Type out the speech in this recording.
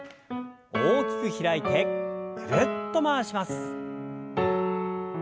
大きく開いてぐるっと回します。